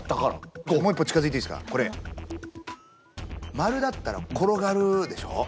丸だったら転がるでしょ？